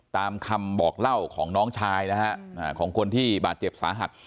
ตามคำบอกเล่าของน้องชายนะฮะของคนที่บาดเจ็บสาหัส